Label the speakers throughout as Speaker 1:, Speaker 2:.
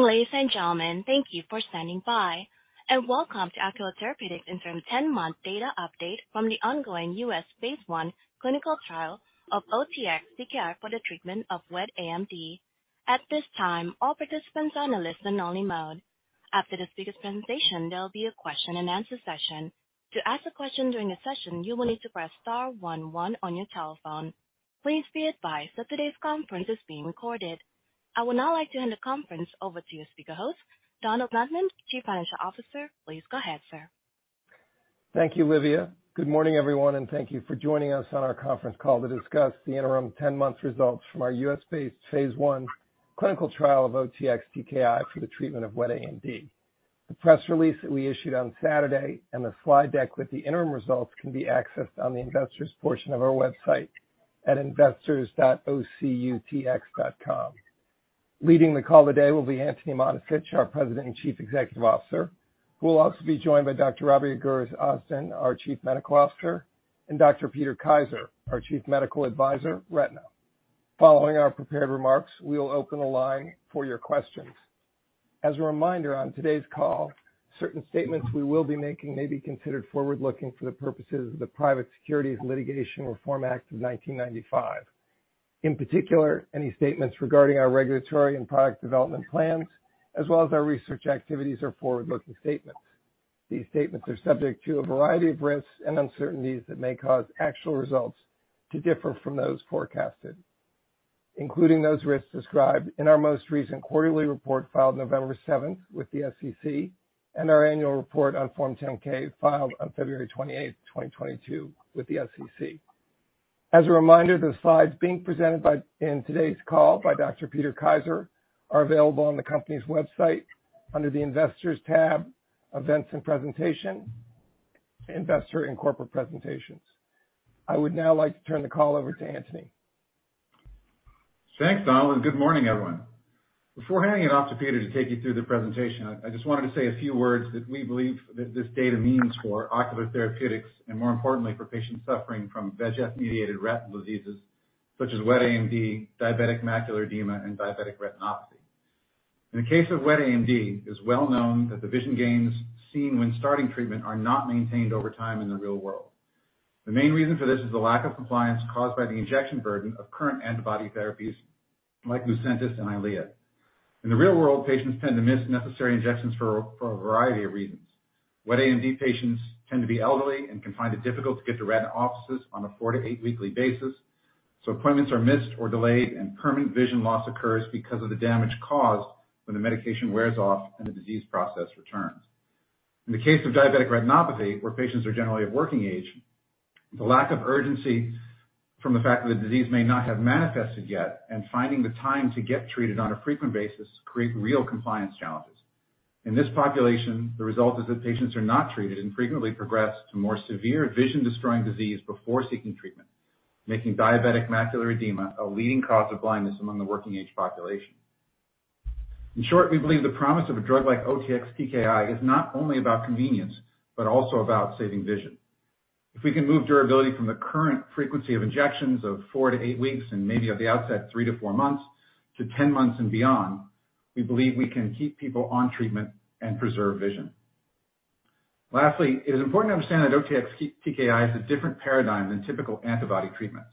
Speaker 1: Good morning, ladies and gentlemen. Thank you for standing by. Welcome to Ocular Therapeutix Interim 10-Month data update from the ongoing U.S. phase I clinical trial of OTX-TKI for the treatment of wet AMD. At this time, all participants are in a listen-only mode. After the speaker's presentation, there will be a question-and-answer session. To ask a question during the session, you will need to press star one one on your telephone. Please be advised that today's conference is being recorded. I would now like to hand the conference over to your speaker host, Donald Notman, Chief Financial Officer. Please go ahead, sir.
Speaker 2: Thank you, Livia. Good morning, everyone, and thank you for joining us on our conference call to discuss the interim 10-month results from our U.S.-based phase I clinical trial of OTX-TKI for the treatment of wet AMD. The press release that we issued on Saturday and the slide deck with the interim results can be accessed on the investors portion of our website at investors.ocutx.com. Leading the call today will be Antony Mattessich, our President and Chief Executive Officer, who will also be joined by Dr. Rabia Gurses Ozden, our Chief Medical Officer, and Dr. Peter Kaiser, our Chief Medical Advisor, Retina. Following our prepared remarks, we will open the line for your questions. As a reminder, on today's call, certain statements we will be making may be considered forward-looking for the purposes of the Private Securities Litigation Reform Act of 1995. In particular, any statements regarding our regulatory and product development plans as well as our research activities are forward-looking statements. These statements are subject to a variety of risks and uncertainties that may cause actual results to differ from those forecasted, including those risks described in our most recent quarterly report filed November 7th with the SEC and our annual report on Form 10-K filed on February 28th, 2022 with the SEC. As a reminder, the slides being presented in today's call by Dr. Peter Kaiser are available on the company's website under the Investors tab, Events and Presentation, Investor and Corporate Presentations. I would now like to turn the call over to Antony.
Speaker 3: Thanks, Donald. Good morning, everyone. Before handing it off to Peter to take you through the presentation, I just wanted to say a few words that we believe that this data means for Ocular Therapeutix and more importantly, for patients suffering from VEGF-mediated retinal diseases such as wet AMD, diabetic macular edema, and diabetic retinopathy. In the case of wet AMD, it is well known that the vision gains seen when starting treatment are not maintained over time in the real world. The main reason for this is the lack of compliance caused by the injection burden of current antibody therapies like Lucentis and Eylea. In the real world, patients tend to miss necessary injections for a variety of reasons. wet AMD patients tend to be elderly and can find it difficult to get to retina offices on a four-eight weekly basis, so appointments are missed or delayed and permanent vision loss occurs because of the damage caused when the medication wears off and the disease process returns. In the case of diabetic retinopathy, where patients are generally of working age, the lack of urgency from the fact that the disease may not have manifested yet and finding the time to get treated on a frequent basis create real compliance challenges. In this population, the result is that patients are not treated and frequently progress to more severe vision-destroying disease before seeking treatment, making diabetic macular edema a leading cause of blindness among the working age population. In short, we believe the promise of a drug like OTX-TKI is not only about convenience but also about saving vision. If we can move durability from the current frequency of injections of four-eight weeks and maybe at the outset three-four months to 10 months and beyond, we believe we can keep people on treatment and preserve vision. Lastly, it is important to understand that OTX-TKI is a different paradigm than typical antibody treatments.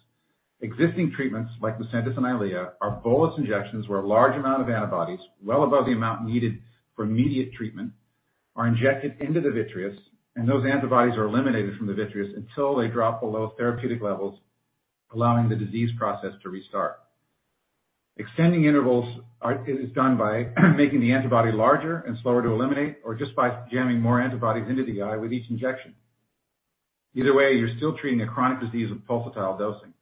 Speaker 3: Existing treatments like Lucentis and Eylea are bolus injections where a large amount of antibodies, well above the amount needed for immediate treatment, are injected into the vitreous and those antibodies are eliminated from the vitreous until they drop below therapeutic levels, allowing the disease process to restart. Extending intervals is done by making the antibody larger and slower to eliminate or just by jamming more antibodies into the eye with each injection. Either way, you're still treating a chronic disease with pulsatile dosing.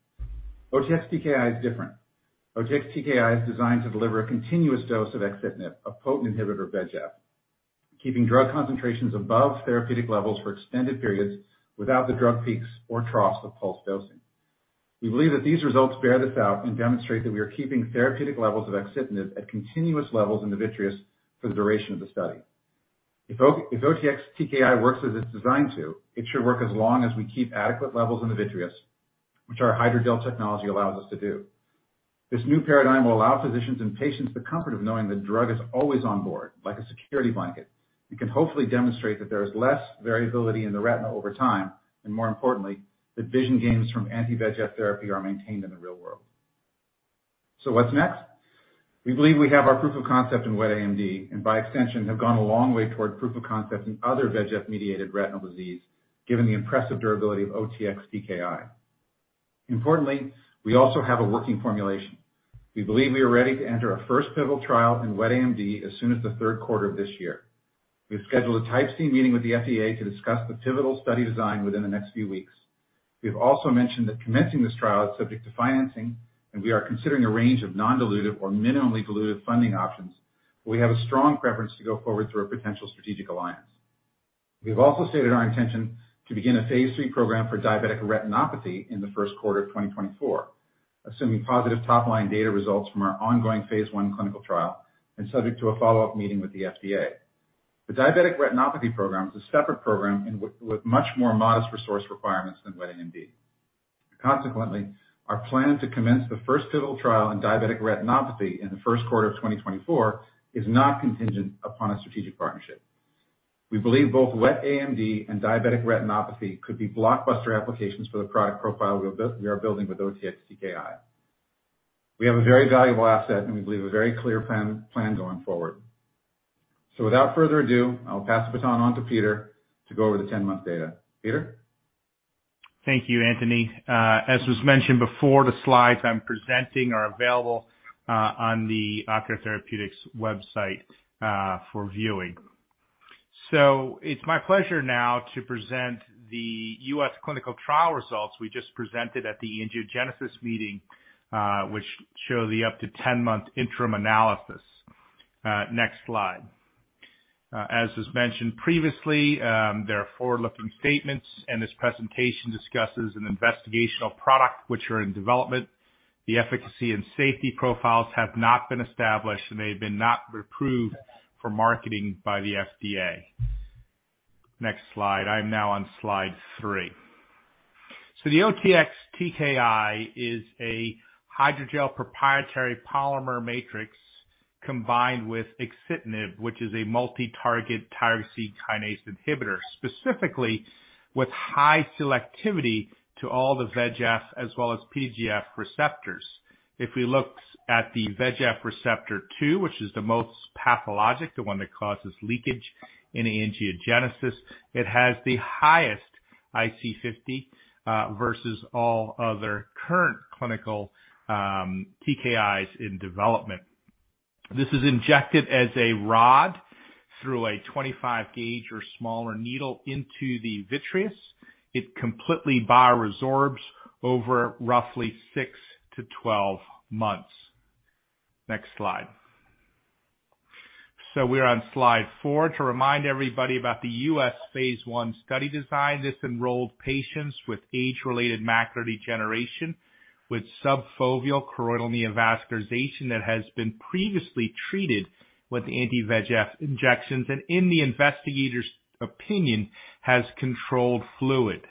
Speaker 3: OTX-TKI is different. OTX-TKI is designed to deliver a continuous dose of axitinib, a potent inhibitor of VEGF, keeping drug concentrations above therapeutic levels for extended periods without the drug peaks or troughs of pulse dosing. We believe that these results bear this out and demonstrate that we are keeping therapeutic levels of axitinib at continuous levels in the vitreous for the duration of the study. If OTX-TKI works as it's designed to, it should work as long as we keep adequate levels in the vitreous, which our hydrogel technology allows us to do. This new paradigm will allow physicians and patients the comfort of knowing the drug is always on board, like a security blanket, and can hopefully demonstrate that there is less variability in the retina over time, and more importantly, that vision gains from anti-VEGF therapy are maintained in the real world. What's next? We believe we have our proof of concept in wet AMD and by extension have gone a long way toward proof of concept in other VEGF-mediated retinal disease, given the impressive durability of OTX-TKI. Importantly, we also have a working formulation. We believe we are ready to enter our first pivotal trial in wet AMD as soon as the third quarter of this year. We've scheduled a Type C meeting with the FDA to discuss the pivotal study design within the next few weeks. We've also mentioned that commencing this trial is subject to financing, and we are considering a range of non-dilutive or minimally dilutive funding options, but we have a strong preference to go forward through a potential strategic alliance. We've also stated our intention to begin a phase III program for diabetic retinopathy in the first quarter of 2024, assuming positive top-line data results from our ongoing phase I clinical trial and subject to a follow-up meeting with the FDA. The diabetic retinopathy program is a separate program and with much more modest resource requirements than wet AMD. Consequently, our plan to commence the first pivotal trial in diabetic retinopathy in the first quarter of 2024 is not contingent upon a strategic partnership. We believe both wet AMD and diabetic retinopathy could be blockbuster applications for the product profile we are building with OTX-TKI. We have a very valuable asset and we believe a very clear plan going forward. Without further ado, I'll pass the baton on to Peter to go over the 10-month data. Peter?
Speaker 4: Thank you, Antony. As was mentioned before, the slides I'm presenting are available on the Ocular Therapeutix website for viewing. It's my pleasure now to present the U.S. clinical trial results we just presented at the Angiogenesis meeting, which show the up to 10-month interim analysis. Next slide. As was mentioned previously, there are forward-looking statements and this presentation discusses an investigational product which are in development. The efficacy and safety profiles have not been established, they have been not approved for marketing by the FDA. Next slide. I'm now on slide three. The OTX-TKI is a hydrogel proprietary polymer matrix combined with axitinib, which is a multi-target tyrosine kinase inhibitor, specifically with high selectivity to all the VEGFR as well as PDGFR receptors. We look at the VEGFR2, which is the most pathologic, the one that causes leakage in angiogenesis, it has the lowest IC50 versus all other current clinical TKIs in development. This is injected as a rod through a 25-gauge or smaller needle into the vitreous. It completely bioresorbs over roughly six to 12 months. Next slide. We're on slide four to remind everybody about the U.S. phase I study design. This enrolled patients with age-related macular degeneration with subfoveal choroidal neovascularization that has been previously treated with anti-VEGF injections and in the investigator's opinion, has controlled fluid.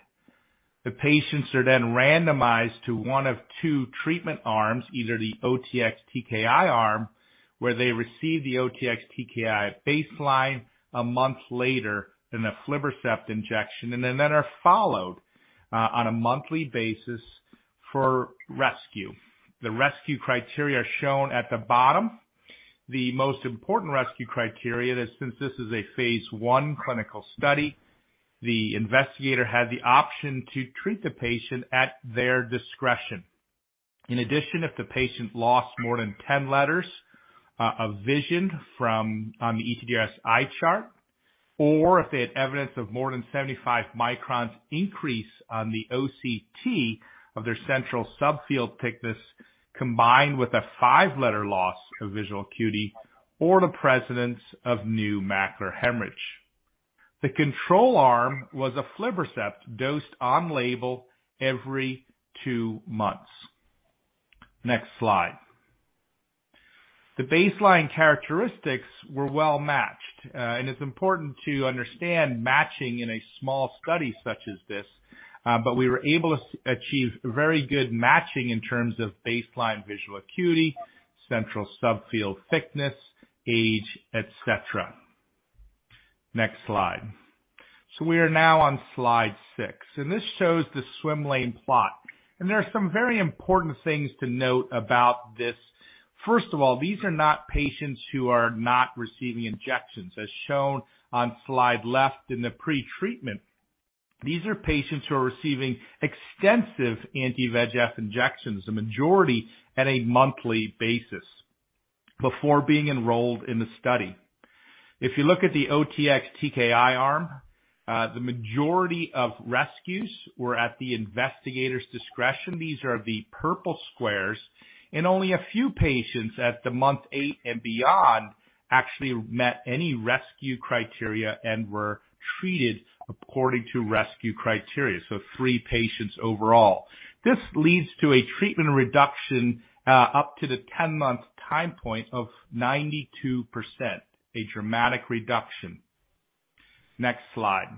Speaker 4: Patients are then randomized to one of two treatment arms, either the OTX-TKI arm, where they receive the OTX-TKI at baseline a month later than the aflibercept injection, and then are followed on a monthly basis for rescue. The rescue criteria are shown at the bottom. The most important rescue criteria is since this is a phase I clinical study, the investigator had the option to treat the patient at their discretion. In addition, if the patient lost more than 10 letters of vision from, on the ETDRS eye chart, or if they had evidence of more than 75 microns increase on the OCT of their central subfield thickness, combined with a five-letter loss of visual acuity or the presence of new macular hemorrhage. The control arm was aflibercept dosed on label every two months. Next slide. It's important to understand matching in a small study such as this, we were able achieve very good matching in terms of baseline visual acuity, central subfield thickness, age, et cetera. Next slide. We are now on slide six, and this shows the swimmer plot. There are some very important things to note about this. First of all, these are not patients who are not receiving injections, as shown on slide left in the pretreatment. These are patients who are receiving extensive anti-VEGF injections, a majority on a monthly basis before being enrolled in the study. If you look at the OTX-TKI arm, the majority of rescues were at the investigator's discretion. These are the purple squares, and only a few patients at the month eight and beyond actually met any rescue criteria and were treated according to rescue criteria. Three patients overall. This leads to a treatment reduction up to the 10-month time point of 92%, a dramatic reduction. Next slide.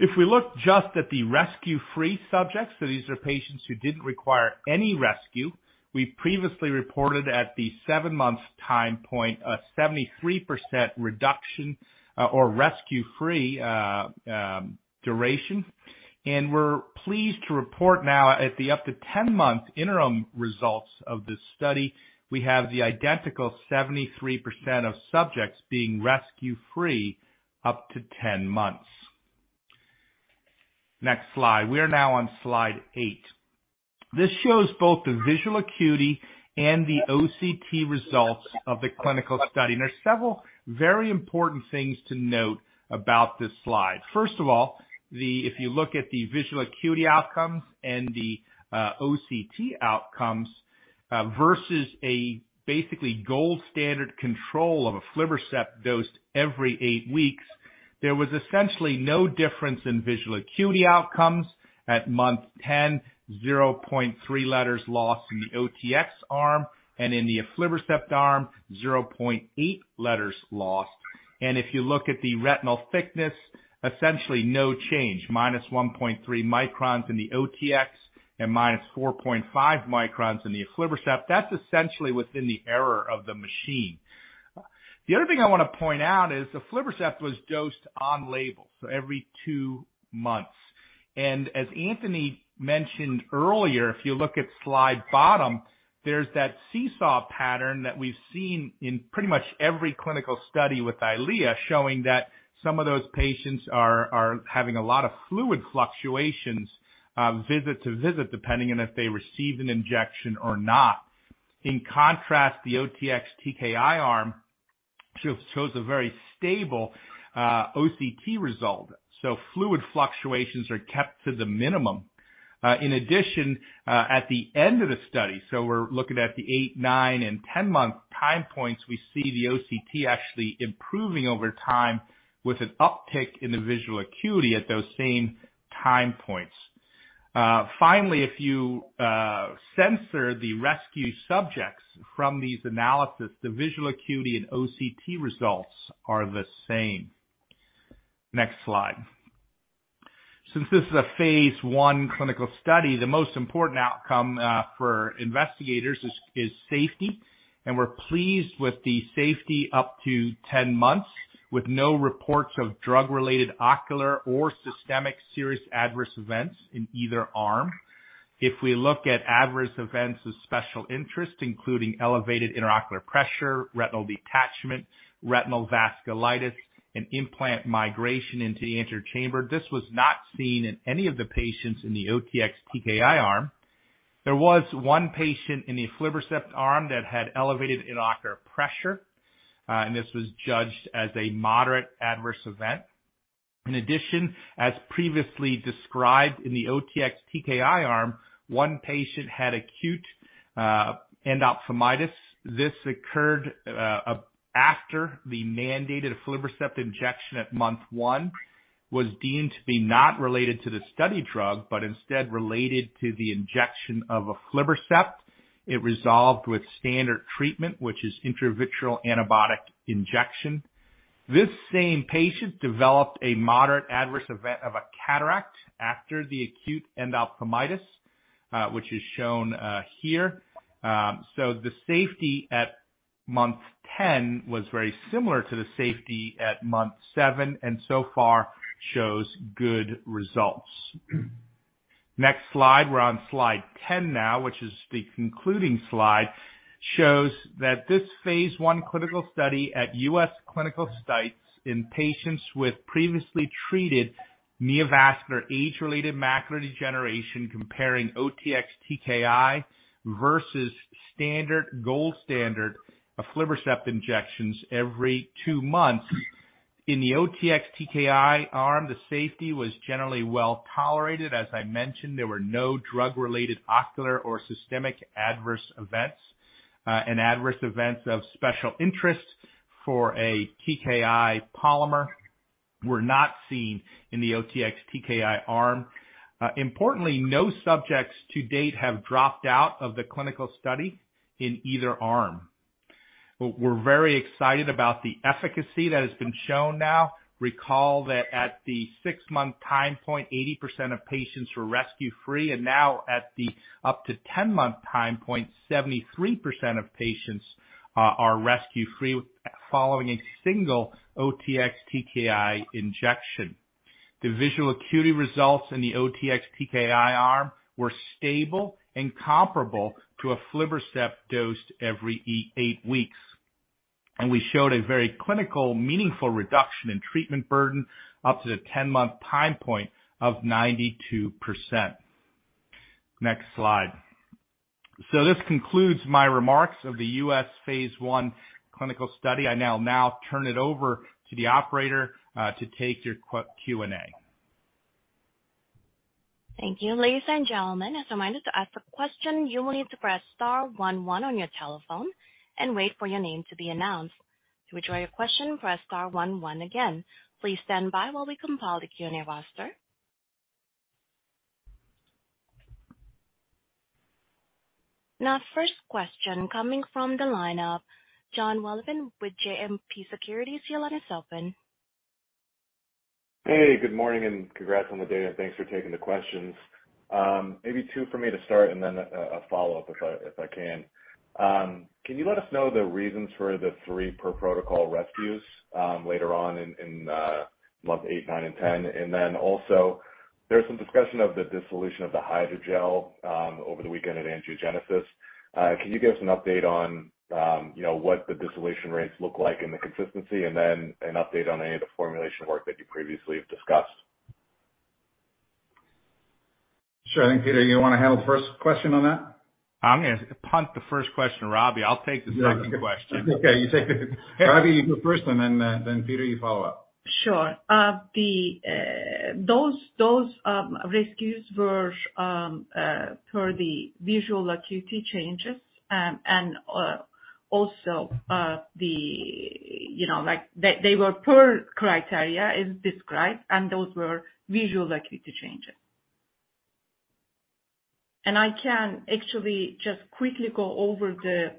Speaker 4: If we look just at the rescue-free subjects, these are patients who didn't require any rescue, we previously reported at the seven-month time point a 73% reduction, or rescue-free duration, and we're pleased to report now at the up to 10-month interim results of this study, we have the identical 73% of subjects being rescue free up to 10 months. Next slide. We are now on slide eight. This shows both the visual acuity and the OCT results of the clinical study. There's several very important things to note about this slide. First of all, if you look at the visual acuity outcomes and the OCT outcomes versus a basically gold standard control of aflibercept dosed every eight weeks, there was essentially no difference in visual acuity outcomes at month 10, 0.3 letters lost in the OTX arm and in the aflibercept arm, 0.8 letters lost. If you look at the retinal thickness, essentially no change. -1.3 microns in the OTX and -4.5 microns in the aflibercept. That's essentially within the error of the machine. The other thing I want to point out is aflibercept was dosed on label, so every two months. As Antony mentioned earlier, if you look at slide bottom, there's that seesaw pattern that we've seen in pretty much every clinical study with Eylea, showing that some of those patients are having a lot of fluid fluctuations, visit to visit, depending on if they received an injection or not. In contrast, the OTX-TKI arm shows a very stable, OCT result. Fluid fluctuations are kept to the minimum. In addition, at the end of the study, so we're looking at the eight, nine, and 10-month time points, we see the OCT actually improving over time with an uptick in the visual acuity at those same time points. Finally, if you censor the rescue subjects from these analysis, the visual acuity and OCT results are the same. Next slide. Since this is a phase I clinical study, the most important outcome for investigators is safety. We're pleased with the safety up to 10 months, with no reports of drug-related ocular or systemic serious adverse events in either arm. If we look at adverse events of special interest, including elevated intraocular pressure, retinal detachment, retinal vasculitis, and implant migration into the anterior chamber, this was not seen in any of the patients in the OTX-TKI arm. There was I patient in the aflibercept arm that had elevated intraocular pressure, this was judged as a moderate adverse event. In addition, as previously described in the OTX-TKI arm, one patient had acute endophthalmitis. This occurred after the mandated aflibercept injection at month one, was deemed to be not related to the study drug, but instead related to the injection of aflibercept. It resolved with standard treatment, which is intravitreal antibiotic injection. This same patient developed a moderate adverse event of a cataract after the acute endophthalmitis, which is shown here. The safety at month 10 was very similar to the safety at month seven, and so far shows good results. Next slide. We're on slide 10 now, which is the concluding slide, shows that this phase I clinical study at U.S. clinical sites in patients with previously treated neovascular age-related macular degeneration comparing OTX-TKI versus standard, gold standard aflibercept injections every two months. In the OTX-TKI arm, the safety was generally well-tolerated. As I mentioned, there were no drug-related ocular or systemic adverse events, and adverse events of special interest for a TKI polymer were not seen in the OTX-TKI arm. Importantly, no subjects to date have dropped out of the clinical study in either arm. We're very excited about the efficacy that has been shown now. Recall that at the six-month time point, 80% of patients were rescue-free. Now at the up to 10-month time point, 73% of patients are rescue-free following a single OTX-TKI injection. The visual acuity results in the OTX-TKI arm were stable and comparable to aflibercept dosed every eight weeks. We showed a very clinical meaningful reduction in treatment burden up to the 10-month time point of 92%. Next slide. This concludes my remarks of the U.S. phase I clinical study. I now turn it over to the operator to take your Q&A.
Speaker 1: Thank you. Ladies and gentlemen, as a reminder, to ask a question, you will need to press star one one on your telephone and wait for your name to be announced. To withdraw your question, press star one one again. Please stand by while we compile the Q&A roster. First question coming from the line of Jonathan Wolleben with JMP Securities. Your line is open.
Speaker 5: Hey, good morning. Congrats on the data. Thanks for taking the questions. Maybe two for me to start and then a follow-up if I can. Can you let us know the reasons for the three per protocol rescues later on in month eight, nine, and 10? Also there's some discussion of the dissolution of the hydrogel over the weekend at Angiogenesis. Can you give us an update on, you know, what the dissolution rates look like and the consistency, and then an update on any of the formulation work that you previously have discussed?
Speaker 3: Sure. I think, Peter, you want to handle the first question on that?
Speaker 4: I'm in.
Speaker 3: I'm gonna punt the first question to Rabia. I'll take the second question.
Speaker 5: Yeah, you take it.
Speaker 3: Rabia, you go first, and then Peter, you follow up.
Speaker 6: Sure. The, those, rescues were per the visual acuity changes, and also the, you know, like, they were per criteria is described, and those were visual acuity changes. I can actually just quickly go over the,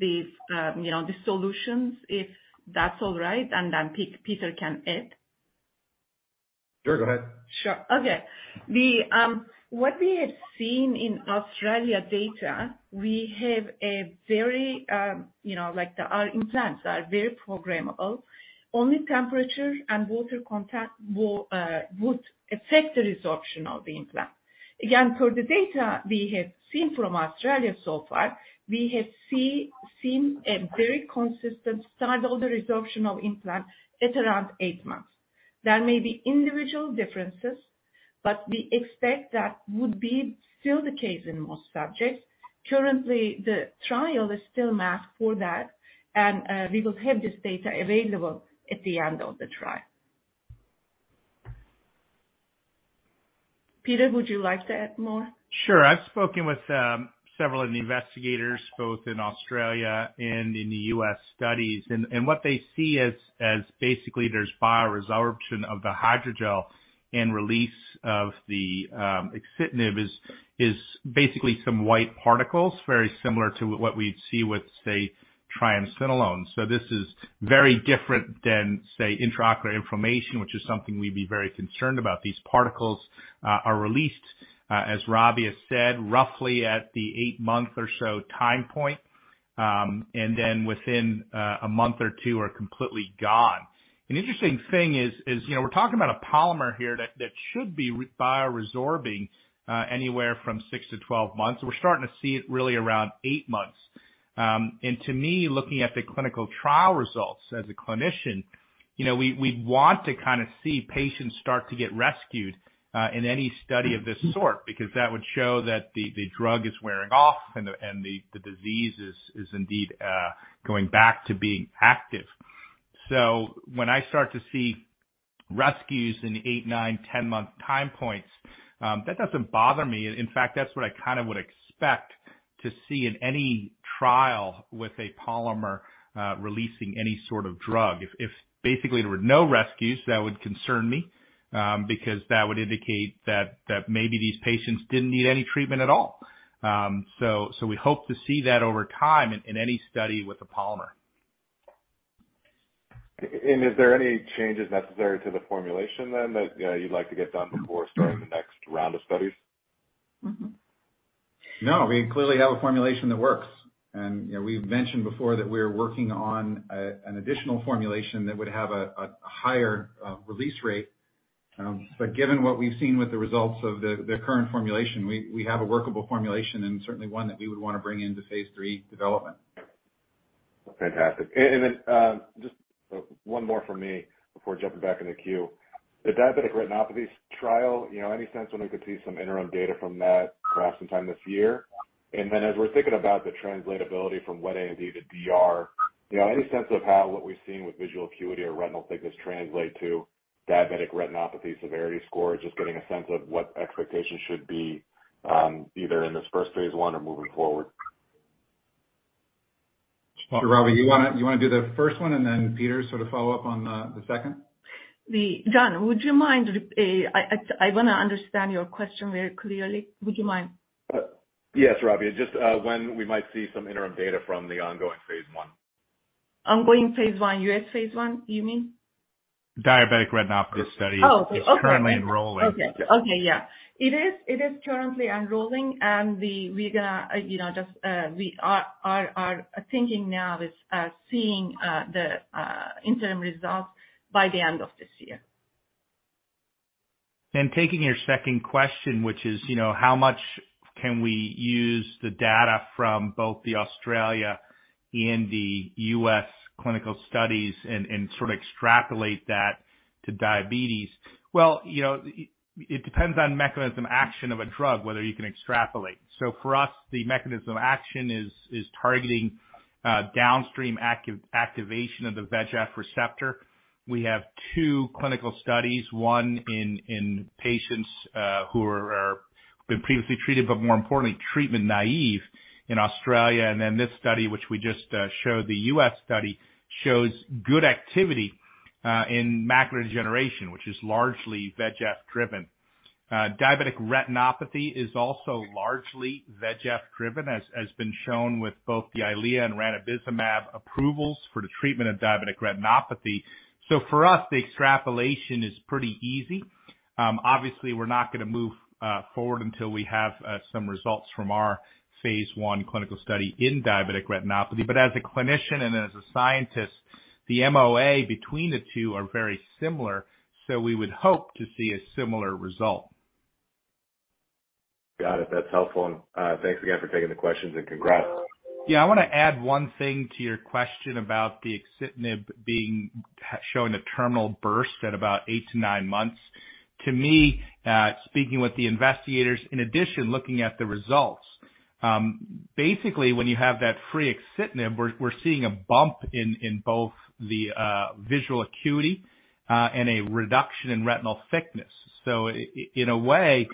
Speaker 6: you know, the solutions, if that's all right, and then Peter can add.
Speaker 5: Sure, go ahead.
Speaker 4: Sure.
Speaker 6: Okay. The, what we have seen in Australia data, we have a very, you know, our implants are very programmable. Only temperature and water contact would affect the resorption of the implant. Again, for the data we have seen from Australia so far, we have seen a very consistent start of the resorption of implant at around eight months. There may be individual differences, but we expect that would be still the case in most subjects. Currently, the trial is still masked for that and, we will have this data available at the end of the trial. Peter, would you like to add more?
Speaker 4: Sure. I've spoken with several of the investigators, both in Australia and in the U.S. studies. What they see as basically there's bioabsorption of the hydrogel and release of the axitinib is basically some white particles, very similar to what we'd see with, say, triamcinolone. This is very different than, say, intraocular inflammation, which is something we'd be very concerned about. These particles are released, as Rabia said, roughly at the eight-month or so time point, and then within a month or two are completely gone. Interesting thing is, you know, we're talking about a polymer here that should be bioresorbing anywhere from six to 12 months. We're starting to see it really around eight months. To me, looking at the clinical trial results as a clinician, you know, we want to kind of see patients start to get rescued in any study of this sort, because that would show that the drug is wearing off and the disease is indeed going back to being active. When I start to see rescues in eight, nine, 10-month time points, that doesn't bother me. In fact, that's what I kind of would expect to see in any trial with a polymer releasing any sort of drug. If basically there were no rescues, that would concern me, because that would indicate that maybe these patients didn't need any treatment at all. So we hope to see that over time in any study with a polymer.
Speaker 5: Is there any changes necessary to the formulation then that you'd like to get done before starting the next round of studies?
Speaker 6: Mm-hmm.
Speaker 4: No, we clearly have a formulation that works. You know, we've mentioned before that we're working on an additional formulation that would have a higher release rate. Given what we've seen with the results of the current formulation, we have a workable formulation and certainly one that we would wanna bring into phase III development.
Speaker 5: Fantastic. Just one more from me before jumping back in the queue. The diabetic retinopathy trial, you know, any sense when we could see some interim data from that, perhaps sometime this year? As we're thinking about the translatability from wet AMD to DR, you know, any sense of how what we've seen with visual acuity or retinal thickness translate to diabetic retinopathy severity score? Just getting a sense of what expectations should be, either in this first phase I or moving forward.
Speaker 3: Rabia, you wanna do the first one and then Peter sort of follow up on the second?
Speaker 6: John, would you mind I wanna understand your question very clearly. Would you mind?
Speaker 5: Yes, Rabia. Just when we might see some interim data from the ongoing phase I.
Speaker 6: Ongoing phase I, U.S. phase I, you mean?
Speaker 5: Diabetic retinopathy study.
Speaker 6: Oh, okay.
Speaker 5: Which is currently enrolling.
Speaker 6: Okay. Okay, yeah. It is currently enrolling, and we're gonna, you know, just, we are thinking now is, seeing, the, interim results by the end of this year.
Speaker 4: Taking your second question, which is, you know, how much can we use the data from both the Australia and the U.S. clinical studies and sort of extrapolate that to diabetes? Well, you know, it depends on mechanism action of a drug, whether you can extrapolate. For us, the mechanism action is targeting downstream activation of the VEGF receptor. We have two clinical studies, one in patients who are been previously treated, but more importantly, treatment naive in Australia. This study, which we just showed, the U.S. study, shows good activity in macular degeneration, which is largely VEGF-driven. Diabetic retinopathy is also largely VEGF-driven, as been shown with both the Eylea and ranibizumab approvals for the treatment of diabetic retinopathy. For us, the extrapolation is pretty easy. Obviously, we're not gonna move forward until we have some results from our phase I clinical study in diabetic retinopathy. As a clinician and as a scientist, the MOA between the two are very similar, we would hope to see a similar result.
Speaker 5: Got it. That's helpful. Thanks again for taking the questions and congrats.
Speaker 4: Yeah. I wanna add one thing to your question about the axitinib showing a terminal burst at about eight to nine months. To me, speaking with the investigators, in addition, looking at the results, basically, when you have that free axitinib, we're seeing a bump in both the visual acuity, and a reduction in retinal thickness. In a way,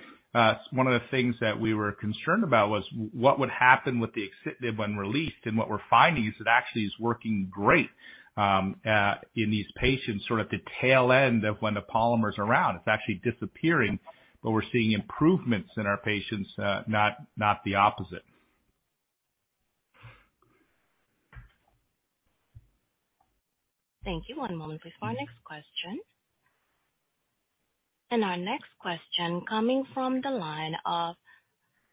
Speaker 4: one of the things that we were concerned about was what would happen with the axitinib when released, and what we're finding is it actually is working great in these patients sort of the tail end of when the polymer's around. It's actually disappearing, but we're seeing improvements in our patients, not the opposite.
Speaker 1: Thank you. One moment, please, for our next question. Our next question coming from the line of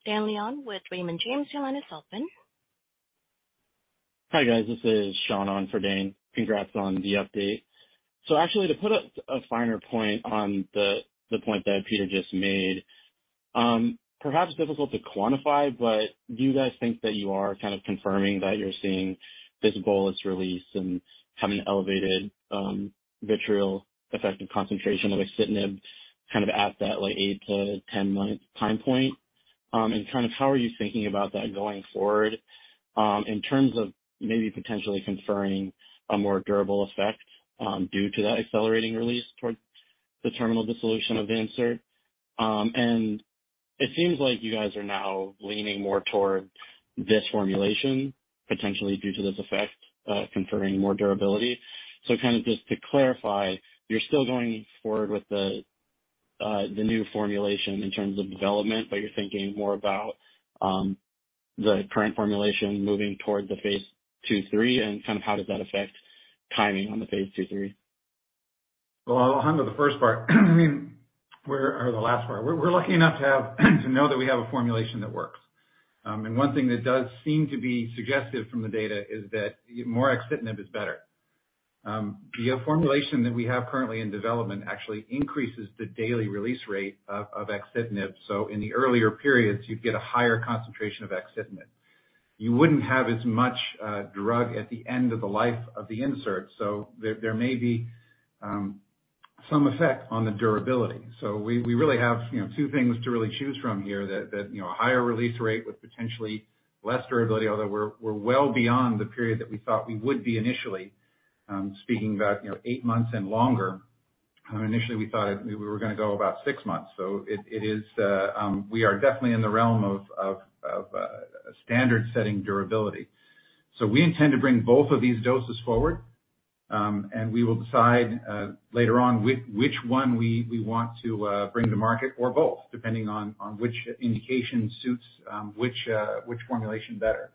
Speaker 1: Dane Leone with Raymond James. Your line is open.
Speaker 7: Hi, guys. This is Sean on for Dane Leone. Congrats on the update. Actually, to put a finer point on the point that Peter just made, perhaps difficult to quantify, but do you guys think that you are kind of confirming that you're seeing this bolus release and have an elevated vitreal effective concentration of axitinib kind of at that like eight-10 month time point? How are you thinking about that going forward, in terms of maybe potentially conferring a more durable effect, due to that accelerating release towards the terminal dissolution of the insert? It seems like you guys are now leaning more toward this formulation, potentially due to this effect, conferring more durability. kind of just to clarify, you're still going forward with the new formulation in terms of development, but you're thinking more about the current formulation moving toward the phase II-III and kind of how does that affect timing on the phase II-III?
Speaker 3: Well, I'll handle the first part. I mean, Or the last part. We're lucky enough to have, to know that we have a formulation that works. One thing that does seem to be suggestive from the data is that more axitinib is better. The formulation that we have currently in development actually increases the daily release rate of axitinib, so in the earlier periods, you'd get a higher concentration of axitinib. You wouldn't have as much drug at the end of the life of the insert, so there may be some effect on the durability. We really have, you know, two things to really choose from here that, you know, a higher release rate with potentially less durability, although we're well beyond the period that we thought we would be initially, speaking about, you know, eight months and longer. Initially we thought we were gonna go about six months. It is, we are definitely in the realm of standard-setting durability. We intend to bring both of these doses forward, and we will decide later on which one we want to bring to market or both, depending on which indication suits which formulation better.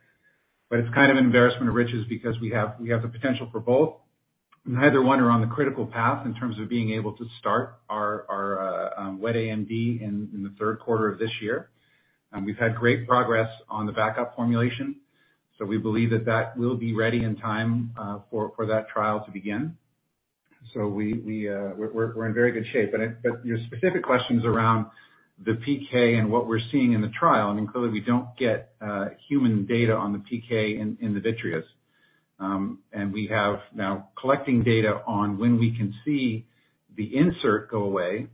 Speaker 3: It's kind of an embarrassment of riches because we have the potential for both. Neither one are on the critical path in terms of being able to start our wet AMD in the thirdrd quarter of this year. We've had great progress on the backup formulation, so we believe that that will be ready in time, for that trial to begin. We're in very good shape. Your specific question's around the PK and what we're seeing in the trial, clearly we don't get human data on the PK in the vitreous. We have now collecting data on when we can see the insert go away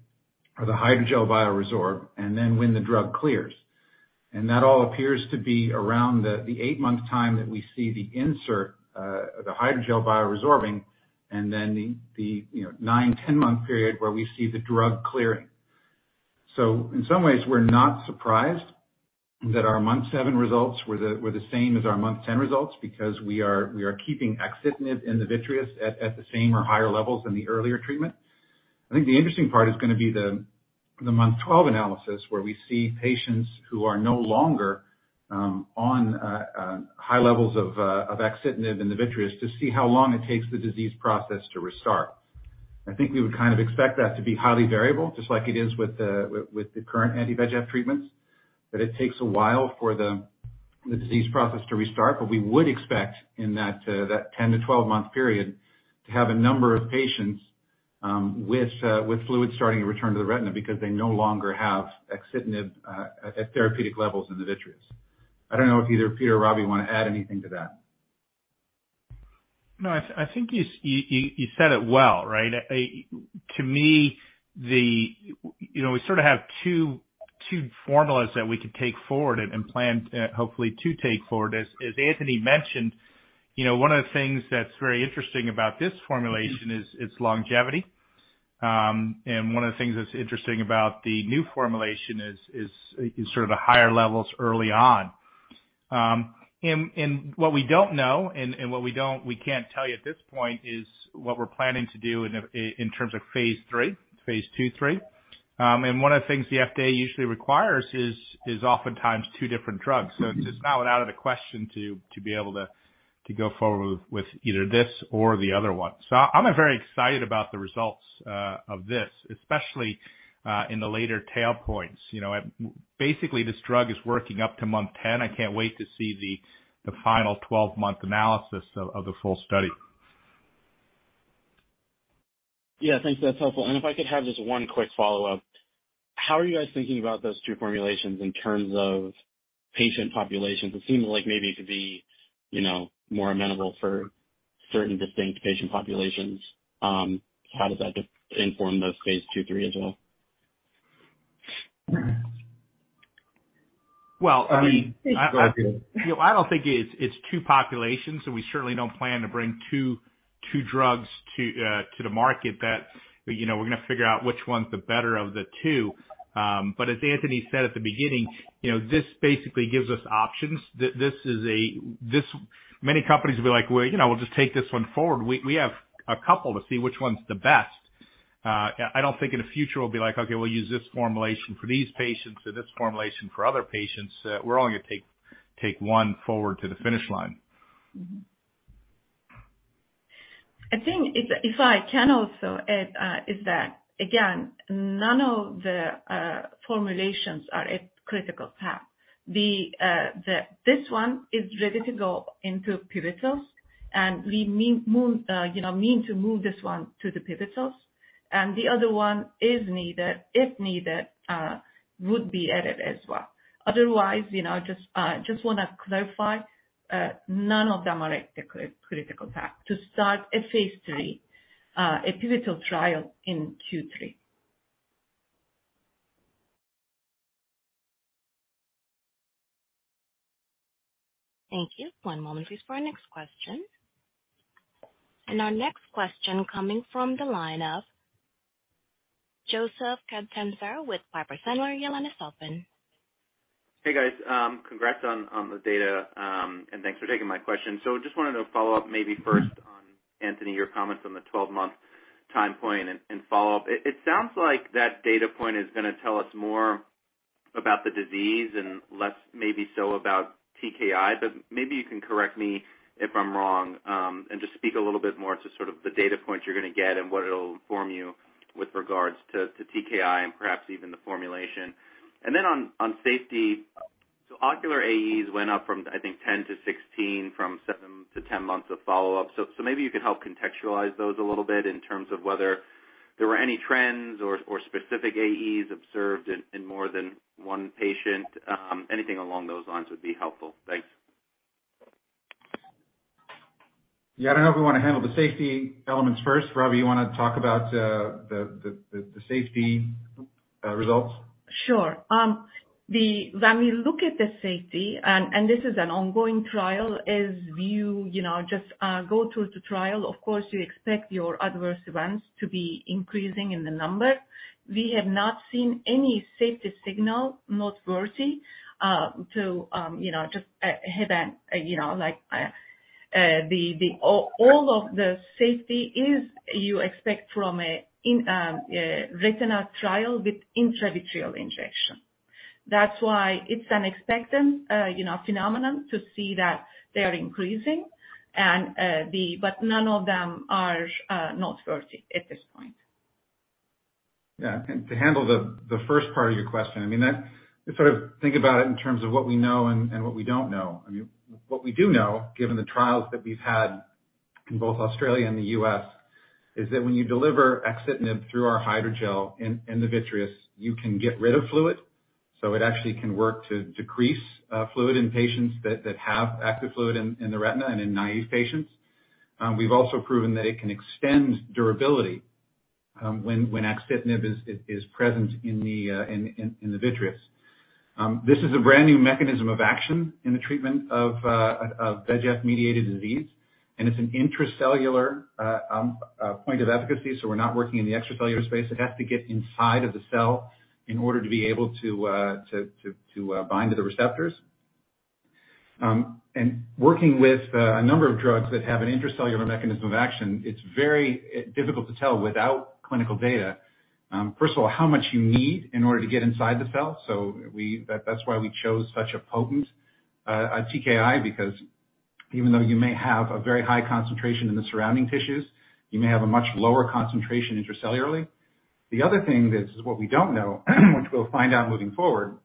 Speaker 3: or the hydrogel bioresorb, and then when the drug clears. That all appears to be around the eight-month time that we see the insert, the hydrogel bioresorbing, and then the, you know, nine, 10-month period where we see the drug clearing. In some ways, we're not surprised that our month seven results were the same as our month 10 results because we are keeping axitinib in the vitreous at the same or higher levels than the earlier treatment. I think the interesting part is gonna be the month 12 analysis, where we see patients who are no longer on high levels of axitinib in the vitreous to see how long it takes the disease process to restart. I think we would kind of expect that to be highly variable, just like it is with the current anti-VEGF treatments, that it takes a while for the disease process to restart. We would expect in that 10-12 month period to have a number of patients with fluid starting to return to the retina because they no longer have axitinib at therapeutic levels in the vitreous. I don't know if either Peter or Robbie wanna add anything to that.
Speaker 4: No, I think you said it well, right. You know, we sort of have two formulas that we could take forward and plan hopefully to take forward. As Antony mentioned, you know, one of the things that's very interesting about this formulation is its longevity. One of the things that's interesting about the new formulation is sort of the higher levels early on. What we don't know and what we don't, we can't tell you at this point is what we're planning to do in terms of phase III, phase II-III. One of the things the FDA usually requires is oftentimes two different drugs. It's not out of the question to be able to go forward with either this or the other one. I'm very excited about the results of this, especially in the later tail points. You know, basically, this drug is working up to month 10. I can't wait to see the final 12-month analysis of the full study.
Speaker 7: Yeah. Thanks. That's helpful. If I could have just one quick follow-up. How are you guys thinking about those two formulations in terms of patient populations? It seems like maybe it could be, you know, more amenable for certain distinct patient populations. How does that just inform those phase II/III as well?
Speaker 3: Well, I mean, you know, I don't think it's two populations, and we certainly don't plan to bring two drugs to the market that, you know, we're gonna figure out which one's the better of the two. As Antony said at the beginning, you know, this basically gives us options. Many companies will be like, "Well, you know, we'll just take this one forward." We have a couple to see which one's the best. I don't think in the future we'll be like, "Okay, we'll use this formulation for these patients and this formulation for other patients." We're only gonna take one forward to the finish line.
Speaker 6: I think if I can also add, is that, again, none of the formulations are at critical path. This one is ready to go into pivotals, and we mean to move this one to the pivotals. The other one is needed, if needed, would be added as well. Otherwise, you know, just wanna clarify, none of them are at the critical path to start a phase III, a pivotal trial in Q3.
Speaker 1: Thank you. One moment, please, for our next question. Our next question coming from the line of Joseph Catanzaro with Piper Sandler, your line is open.
Speaker 8: Hey, guys. Congrats on the data, and thanks for taking my question. Just wanted to follow up maybe first on, Antony, your comments on the 12-month time point and follow up. It sounds like that data point is gonna tell us more about the disease and less maybe so about TKI, but maybe you can correct me if I'm wrong, and just speak a little bit more to sort of the data points you're gonna get and what it'll inform you with regards to TKI and perhaps even the formulation. Then on safety, ocular AEs went up from, I think, 10-16 from seven to 10 months of follow-up. Maybe you could help contextualize those a little bit in terms of whether there were any trends or specific AEs observed in more than one patient. Anything along those lines would be helpful. Thanks.
Speaker 3: Yeah. I don't know if we wanna handle the safety elements first. Rabia, you wanna talk about the safety results?
Speaker 6: Sure. When we look at the safety, this is an ongoing trial, as you know, just go through the trial, of course you expect your adverse events to be increasing in the number. We have not seen any safety signal noteworthy to, you know, just head on, you know, like all of the safety is you expect from a retinal trial with intravitreal injection. That's why it's an expectant, you know, phenomenon to see that they are increasing. None of them are noteworthy at this point.
Speaker 3: Yeah. To handle the first part of your question, I mean, just sort of think about it in terms of what we know and what we don't know. I mean, what we do know, given the trials that we've had in both Australia and the U.S., is that when you deliver axitinib through our hydrogel in the vitreous, you can get rid of fluid, so it actually can work to decrease fluid in patients that have active fluid in the retina and in naive patients. We've also proven that it can extend durability, when axitinib is present in the vitreous. This is a brand-new mechanism of action in the treatment of VEGF-mediated disease, and it's an intracellular point of efficacy, so we're not working in the extracellular space. It has to get inside of the cell in order to be able to bind to the receptors. Working with a number of drugs that have an intracellular mechanism of action, it's very difficult to tell without clinical data, first of all, how much you need in order to get inside the cell. That's why we chose such a potent TKI because even though you may have a very high concentration in the surrounding tissues, you may have a much lower concentration intracellularly. The other thing that is what we don't know, which we'll find out moving forward,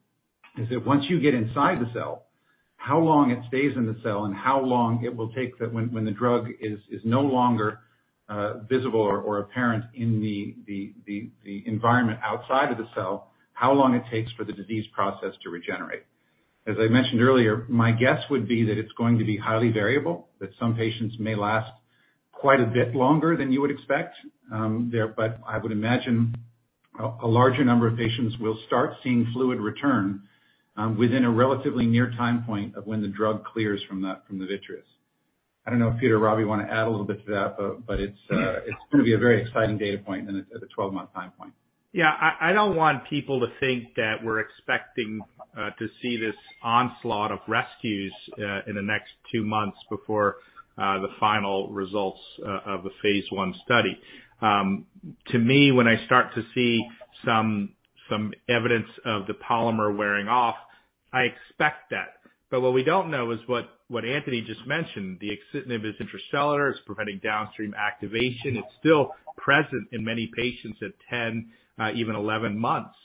Speaker 3: is that once you get inside the cell, how long it stays in the cell and how long it will take that when the drug is no longer visible or apparent in the environment outside of the cell, how long it takes for the disease process to regenerate. As I mentioned earlier, my guess would be that it's going to be highly variable, that some patients may last quite a bit longer than you would expect. I would imagine a larger number of patients will start seeing fluid return within a relatively near time point of when the drug clears from the vitreous. I don't know if Peter or Rabia wanna add a little bit to that, but it's gonna be a very exciting data point than at the 12-month time point.
Speaker 4: Yeah. I don't want people to think that we're expecting to see this onslaught of rescues in the next two months before the final results of the phase I study. To me, when I start to see some evidence of the polymer wearing off, I expect that. What we don't know is what Antony just mentioned, the axitinib is intracellular. It's preventing downstream activation. It's still present in many patients at 10, even 11 months.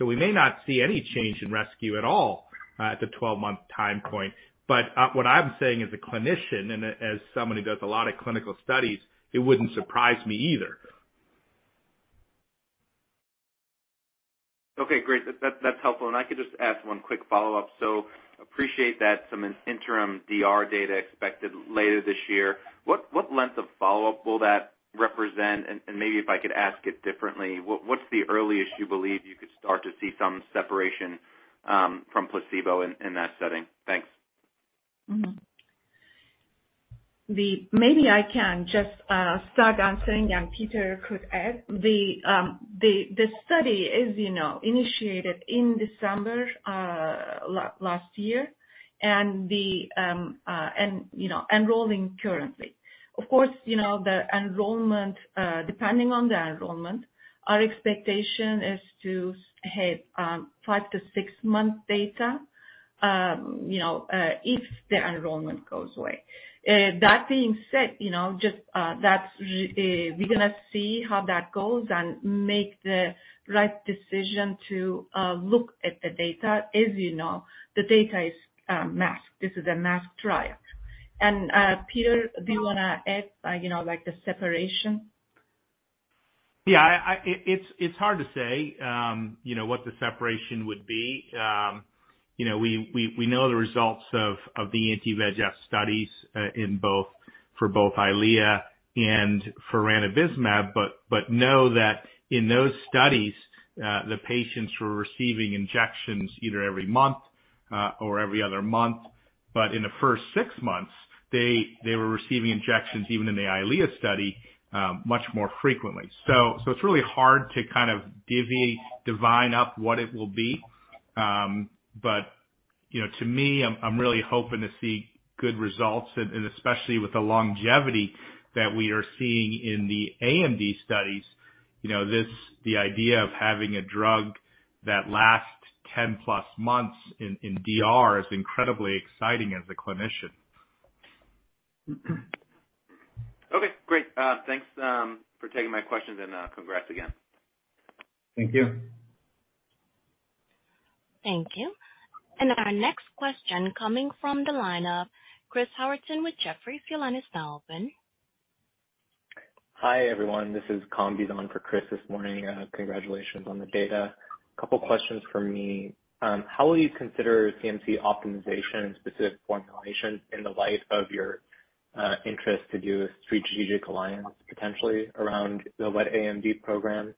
Speaker 4: We may not see any change in rescue at all at the 12-month time point. What I'm saying as a clinician and as someone who does a lot of clinical studies, it wouldn't surprise me either.
Speaker 8: Okay, great. That's helpful. I could just ask one quick follow-up. Appreciate that some interim DR data expected later this year. What length of follow-up will that represent? Maybe if I could ask it differently, what's the earliest you believe you could start to see some separation from placebo in that setting? Thanks.
Speaker 6: Maybe I can just start answering and Peter could add. The study is, you know, initiated in December last year and, you know, enrolling currently. Of course, you know, the enrollment, depending on the enrollment, our expectation is to hit five to six month data, you know, if the enrollment goes away. That being said, you know, just, that's, we're gonna see how that goes and make the right decision to look at the data. As you know, the data is masked. This is a masked trial. Peter, do you wanna add, you know, like the separation?
Speaker 4: Yeah, it's hard to say, you know, what the separation would be. You know, we know the results of the anti-VEGF studies for both Eylea and for ranibizumab. Know that in those studies, the patients were receiving injections either every month or every other month. In the first six months, they were receiving injections, even in the Eylea study, much more frequently. It's really hard to kind of divine up what it will be. You know, to me, I'm really hoping to see good results and especially with the longevity that we are seeing in the AMD studies. You know, the idea of having a drug that lasts 10+ months in DR is incredibly exciting as a clinician.
Speaker 8: Okay, great. Thanks for taking my questions and congrats again.
Speaker 3: Thank you.
Speaker 1: Thank you. Our next question coming from the line of Chris Howerton with Jefferies. Your line is now open.
Speaker 9: Hi, everyone. This is Kambiz Yazdi for Chris this morning. Congratulations on the data. Couple questions from me. How will you consider CMC optimization and specific formulation in the light of your interest to do a strategic alliance, potentially around the wet AMD program?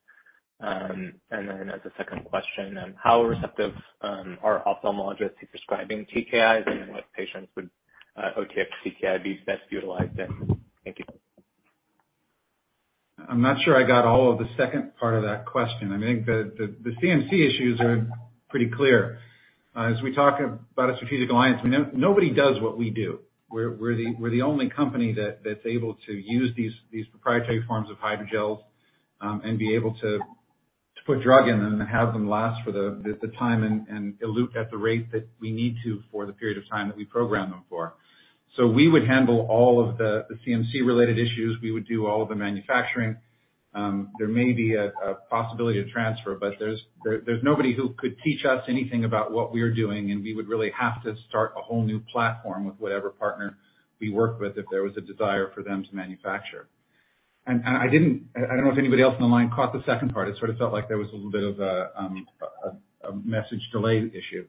Speaker 9: As a second question, how receptive are ophthalmologists to prescribing TKIs, and what patients would OTX-TKI be best utilized in? Thank you.
Speaker 3: I'm not sure I got all of the second part of that question. I think the CMC issues are pretty clear. As we talk about a strategic alliance, we know nobody does what we do. We're the only company that's able to use these proprietary forms of hydrogels and be able to put drug in them and have them last for the time and elute at the rate that we need to for the period of time that we program them for. We would handle all of the CMC related issues. We would do all of the manufacturing. There may be a possibility of transfer, but there's nobody who could teach us anything about what we're doing, and we would really have to start a whole new platform with whatever partner we work with if there was a desire for them to manufacture. I don't know if anybody else on the line caught the second part. It sort of felt like there was a little bit of a message delay issue.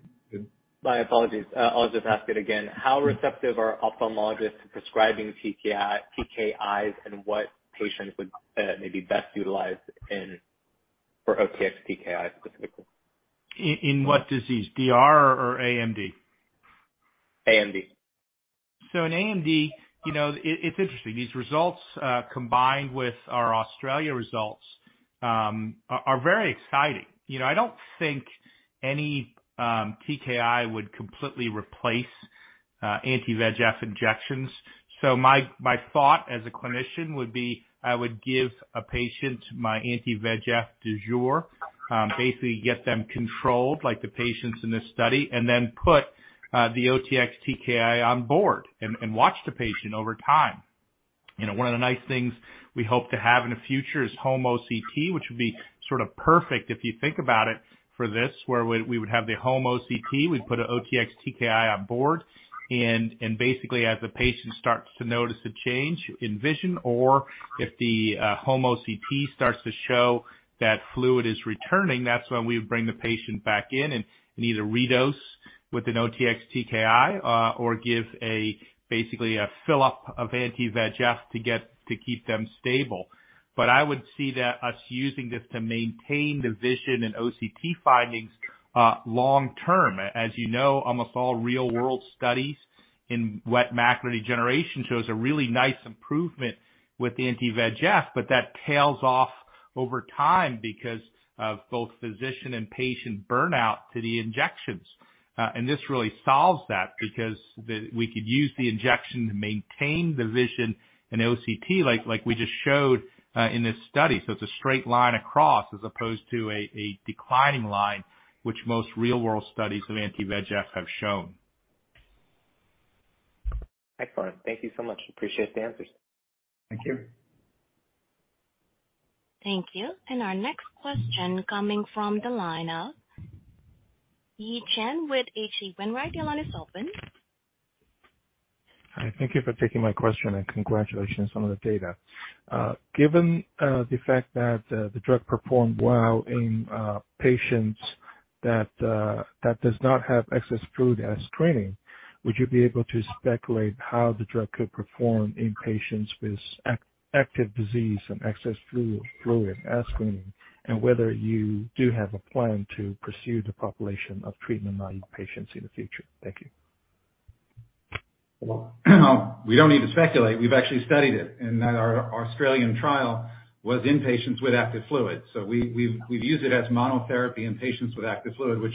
Speaker 9: My apologies. I'll just ask it again. How receptive are ophthalmologists to prescribing TKIs and what patients would, maybe best utilize in for OTX-TKIs specifically?
Speaker 4: In what disease, DR or AMD?
Speaker 9: AMD.
Speaker 4: In AMD, you know, it's interesting. These results, combined with our Australia results, are very exciting. You know, I don't think any TKI would completely replace anti-VEGF injections. My thought as a clinician would be I would give a patient my anti-VEGF du jour, basically get them controlled like the patients in this study, and then put the OTX-TKI on board and watch the patient over time. You know, one of the nice things we hope to have in the future is home OCT, which would be sort of perfect if you think about it for this, where we would have the home OCT. We'd put an OTX-TKI on board and basically as the patient starts to notice a change in vision or if the home OCT starts to show that fluid is returning, that's when we would bring the patient back in and either redose with an OTX-TKI or give a basically a fill-up of anti-VEGF to get to keep them stable. I would see that us using this to maintain the vision and OCT findings long term. As you know, almost all real world studies in wet AMD shows a really nice improvement with the anti-VEGF, but that tails off over time because of both physician and patient burnout to the injections. And this really solves that because we could use the injection to maintain the vision and OCT like we just showed in this study. It's a straight line across as opposed to a declining line, which most real world studies of anti-VEGF have shown.
Speaker 9: Excellent. Thank you so much. Appreciate the answers.
Speaker 3: Thank you.
Speaker 1: Thank you. Our next question coming from the line of Yi Chen with H.C. Wainwright. Your line is open.
Speaker 10: Hi. Thank you for taking my question and congratulations on the data. Given the fact that the drug performed well in patients that does not have excess fluid as screening, would you be able to speculate how the drug could perform in patients with active disease and excess fluid as screening? Whether you do have a plan to pursue the population of treatment-naive patients in the future? Thank you.
Speaker 3: We don't need to speculate. We've actually studied it. Our Australian trial was in patients with active fluid. We've used it as monotherapy in patients with active fluid, which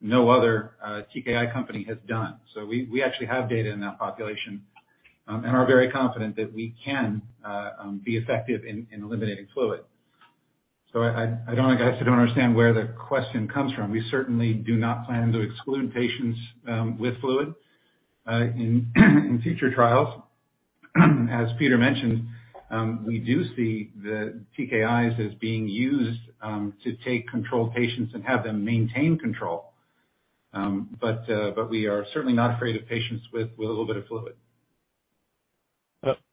Speaker 3: no other TKI company has done. We actually have data in that population, and are very confident that we can be effective in eliminating fluid. I don't, I guess I don't understand where the question comes from. We certainly do not plan to exclude patients with fluid in future trials. As Peter mentioned, we do see the TKIs as being used to take controlled patients and have them maintain control. But we are certainly not afraid of patients with a little bit of fluid.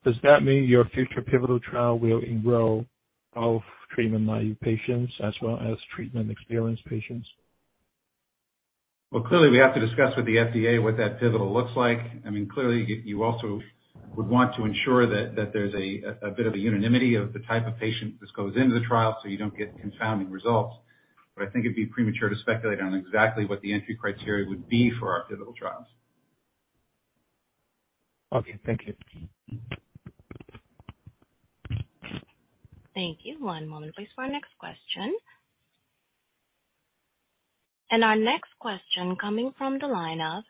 Speaker 10: Does that mean your future pivotal trial will enroll both treatment-naive patients as well as treatment-experienced patients?
Speaker 3: Well, clearly we have to discuss with the FDA what that pivotal looks like. I mean, clearly you also would want to ensure that there's a bit of a unanimity of the type of patient that goes into the trial, so you don't get confounding results. I think it'd be premature to speculate on exactly what the entry criteria would be for our pivotal trials.
Speaker 10: Okay. Thank you.
Speaker 1: Thank you. One moment please for our next question. Our next question coming from the line of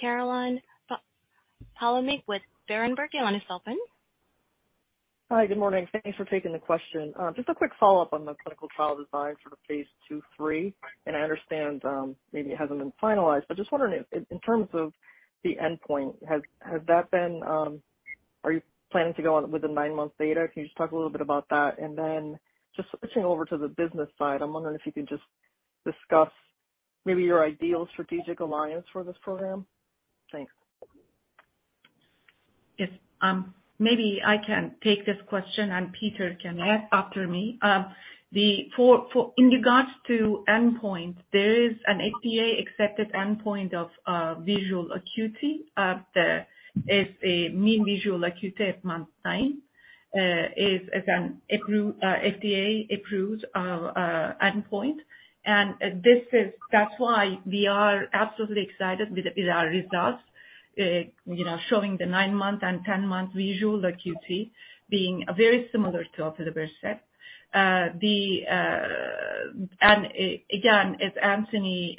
Speaker 1: Caroline Palomeque with Berenberg. The line is open.
Speaker 11: Hi. Good morning. Thank you for taking the question. Just a quick follow-up on the clinical trial design for the phase II/III, and I understand, maybe it hasn't been finalized, but just wondering in terms of the endpoint, Are you planning to go out with the nine-month data? Can you just talk a little bit about that? Then just switching over to the business side, I'm wondering if you can just discuss maybe your ideal strategic alliance for this program. Thanks.
Speaker 6: Yes. maybe I can take this question and Peter can add after me. In regards to endpoint, there is an FDA-accepted endpoint of visual acuity. It's a mean visual acuity at month nine, is an FDA-approved endpoint. This is, that's why we are absolutely excited with our results, you know, showing the nine-month and 10-month visual acuity being very similar to aflibercept. Again, as Antony,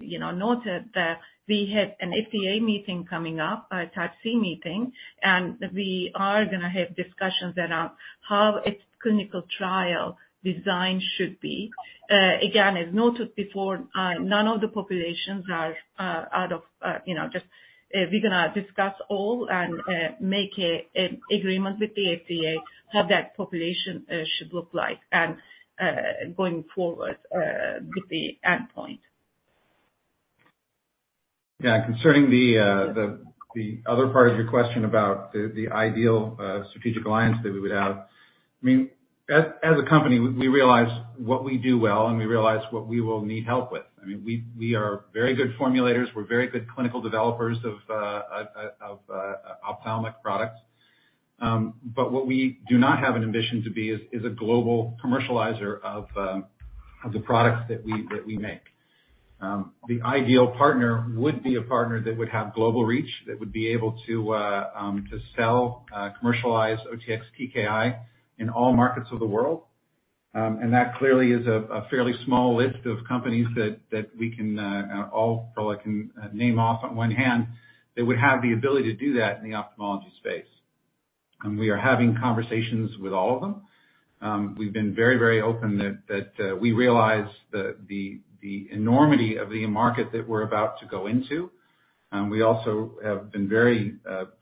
Speaker 6: you know, noted that we have an FDA meeting coming up, a Type C meeting, and we are gonna have discussions around how its clinical trial design should be. Again, as noted before, none of the populations are out of, you know, just, we're going to discuss all and make an agreement with the FDA how that population should look like and going forward with the endpoint.
Speaker 3: Yeah. Concerning the other part of your question about the ideal strategic alliance that we would have. I mean, as a company, we realize what we do well, and we realize what we will need help with. I mean, we are very good formulators. We're very good clinical developers of ophthalmic products. What we do not have an ambition to be is a global commercializer of the products that we make. The ideal partner would be a partner that would have global reach, that would be able to sell, commercialize OTX-TKI in all markets of the world. And that clearly is a fairly small list of companies that we can all probably name off on one hand that would have the ability to do that in the ophthalmology space. We are having conversations with all of them. We've been very open that we realize the enormity of the market that we're about to go into. We also have been very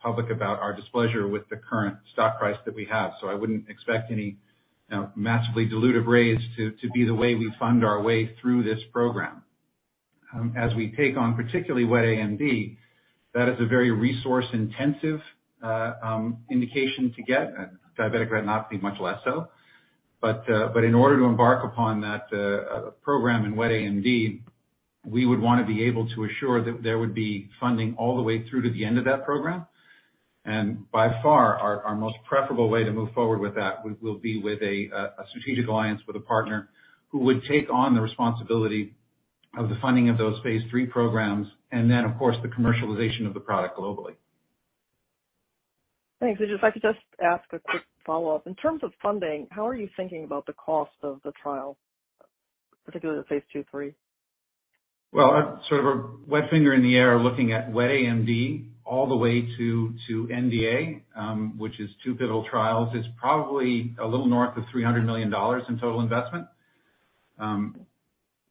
Speaker 3: public about our displeasure with the current stock price that we have. I wouldn't expect any massively dilutive raise to be the way we fund our way through this program. As we take on particularly wet AMD, that is a very resource-intensive indication to get. Diabetic retinopathy much less so. In order to embark upon that program in wet AMD, we would want to be able to assure that there would be funding all the way through to the end of that program. By far our most preferable way to move forward with that will be with a strategic alliance with a partner who would take on the responsibility of the funding of those phase III programs, and then, of course, the commercialization of the product globally.
Speaker 11: Thanks. I could just ask a quick follow-up. In terms of funding, how are you thinking about the cost of the trial, particularly the phase II/III?
Speaker 3: Well, sort of a wet finger in the air, looking at wet AMD all the way to NDA, which is two pivotal trials, is probably a little north of $300 million in total investment.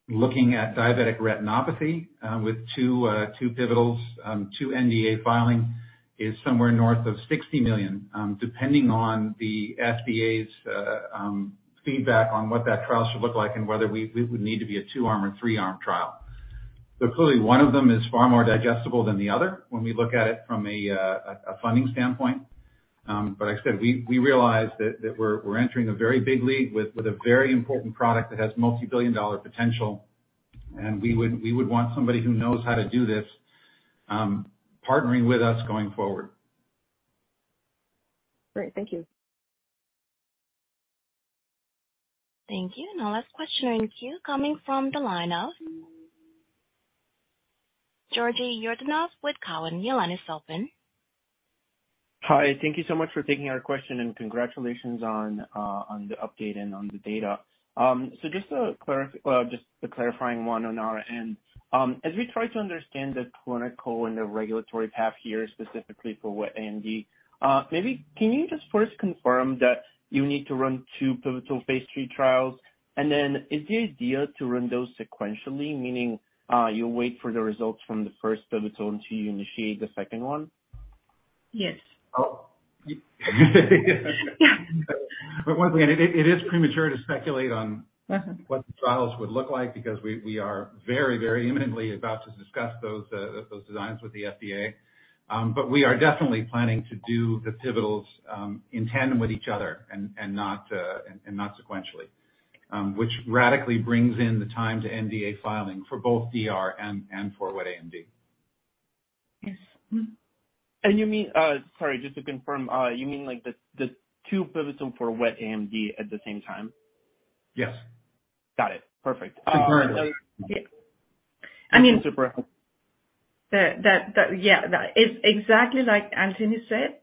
Speaker 3: Looking at diabetic retinopathy, with two pivotals, two NDA filings is somewhere north of $60 million, depending on the FDA's feedback on what that trial should look like and whether we would need to be a two-arm or three-arm trial. Clearly one of them is far more digestible than the other when we look at it from a funding standpoint. Like I said, we realize that we're entering a very big league with a very important product that has multi-billion dollar potential. We would want somebody who knows how to do this, partnering with us going forward.
Speaker 11: Great. Thank you.
Speaker 1: Thank you. The last question in queue coming from the line of Georgi Yordanov with Cowen. Your line is open.
Speaker 12: Hi. Thank you so much for taking our question, congratulations on the update and on the data. Just to clarify. Well, just the clarifying one on our end. As we try to understand the clinical and the regulatory path here, specifically for wet AMD, maybe can you just first confirm that you need to run two pivotal phase III trials? Is the idea to run those sequentially, meaning, you'll wait for the results from the first pivotal until you initiate the second one?
Speaker 6: Yes.
Speaker 3: Oh.
Speaker 6: Yeah.
Speaker 3: Once again, it is premature to speculate-
Speaker 6: Mm-hmm.
Speaker 3: what the trials would look like because we are very, very imminently about to discuss those designs with the FDA. We are definitely planning to do the pivotals, in tandem with each other and not sequentially, which radically brings in the time to NDA filing for both DR and for wet AMD.
Speaker 6: Yes. Mm-hmm.
Speaker 12: You mean, sorry, just to confirm, you mean like the two pivotal for wet AMD at the same time?
Speaker 3: Yes.
Speaker 12: Got it. Perfect.
Speaker 3: Concurrently.
Speaker 6: Yeah. I mean-
Speaker 12: Super helpful.
Speaker 6: Yeah. Exactly like Antony said,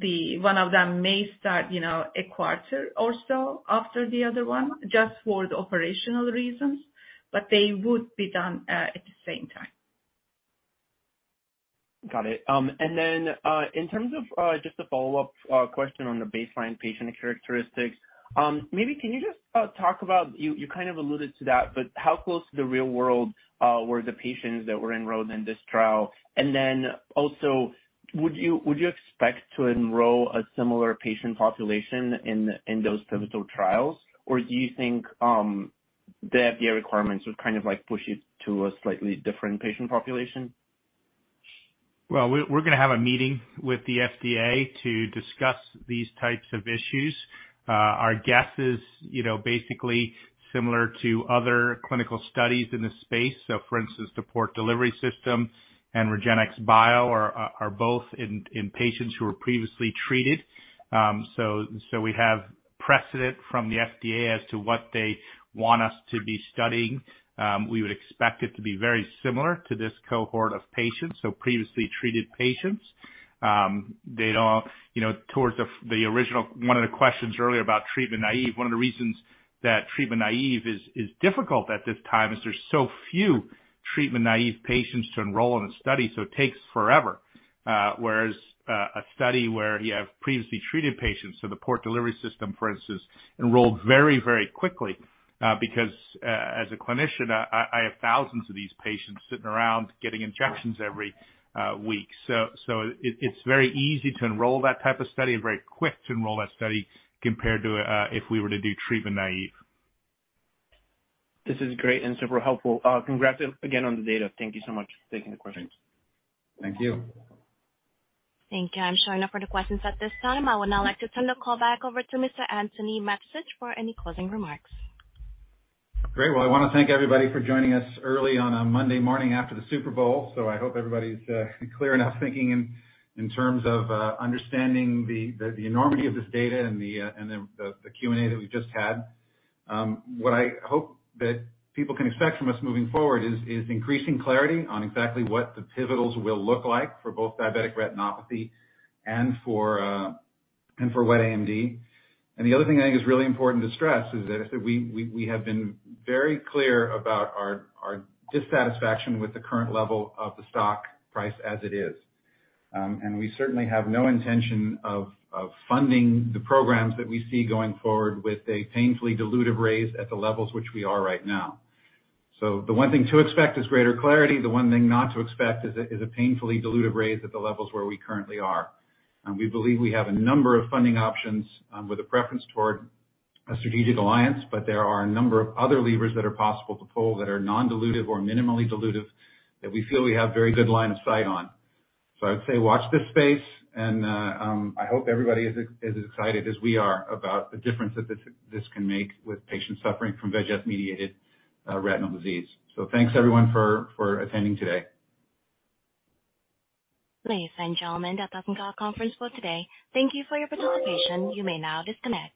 Speaker 6: the one of them may start, you know, a quarter or so after the other one, just for the operational reasons. They would be done at the same time.
Speaker 12: Got it. In terms of, just a follow-up, question on the baseline patient characteristics, maybe can you just talk about, you kind of alluded to that, but how close to the real world, were the patients that were enrolled in this trial? Also, would you expect to enroll a similar patient population in those pivotal trials? Do you think, the FDA requirements would kind of like push it to a slightly different patient population?
Speaker 3: Well, we're gonna have a meeting with the FDA to discuss these types of issues. Our guess is, you know, basically similar to other clinical studies in this space. For instance, the Port Delivery System and REGENXBIO are both in patients who were previously treated. So we have precedent from the FDA as to what they want us to be studying. We would expect it to be very similar to this cohort of patients, so previously treated patients. You know, towards the original. One of the questions earlier about treatment-naive. One of the reasons that treatment-naive is difficult at this time is there's so few treatment-naive patients to enroll in a study, so it takes forever. A study where you have previously treated patients, so the Port Delivery System for instance, enrolled very quickly, because, as a clinician, I have thousands of these patients sitting around getting injections every week. It's very easy to enroll that type of study and very quick to enroll that study compared to, if we were to do treatment-naive.
Speaker 12: This is great and super helpful. Congrats again on the data. Thank you so much. Taking the questions.
Speaker 3: Thanks. Thank you.
Speaker 1: Thank you. I'm showing no further questions at this time. I would now like to turn the call back over to Mr. Antony Mattessich for any closing remarks.
Speaker 3: Great. I wanna thank everybody for joining us early on a Monday morning after the Super Bowl, so I hope everybody's in clear enough thinking in terms of understanding the enormity of this data and the Q&A that we've just had. What I hope that people can expect from us moving forward is increasing clarity on exactly what the pivotals will look like for both diabetic retinopathy and for wet AMD. The other thing I think is really important to stress is that we have been very clear about our dissatisfaction with the current level of the stock price as it is. We certainly have no intention of funding the programs that we see going forward with a painfully dilutive raise at the levels which we are right now. The one thing to expect is greater clarity. The one thing not to expect is a painfully dilutive raise at the levels where we currently are. We believe we have a number of funding options, with a preference toward a strategic alliance, but there are a number of other levers that are possible to pull that are non-dilutive or minimally dilutive that we feel we have very good line of sight on. I would say watch this space and I hope everybody is excited as we are about the difference that this can make with patients suffering from VEGF-mediated retinal disease. Thanks everyone for attending today.
Speaker 13: Ladies and gentlemen, that concludes our conference for today. Thank you for your participation. You may now disconnect.